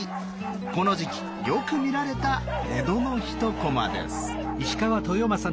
この時期よく見られた江戸の一コマです。